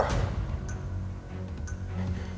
dia hasil perkosaan